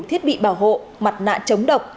thiết bị bảo hộ mặt nạ chống độc